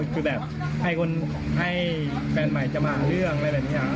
คือแบบให้คนให้แฟนใหม่จะมาหาเรื่องอะไรแบบนี้